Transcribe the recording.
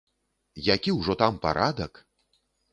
Які ўжо там парадак!